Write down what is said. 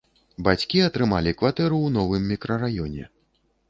Бацькі атрымалі кватэру ў новым мікрараёне.